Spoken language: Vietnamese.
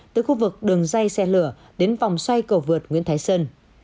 từ khu vực đường dây xe lửa đến vòng xoay cầu vượt nguyễn thái sơn